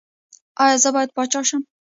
ایا زه باید پاچا شم؟